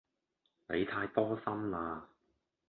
你太多心啦